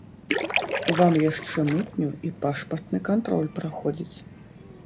Вам яшчэ мытню і пашпартны кантроль праходзіць.